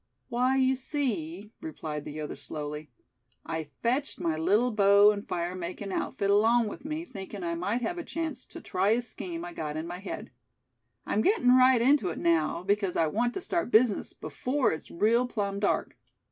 "Why, you see," replied the other, slowly, "I fetched my little bow and fire makin' outfit along with me, thinkin' I might have a chance to try a scheme I got in my head. I'm gettin' right into it now, because I want to start business before it's real plumb dark!"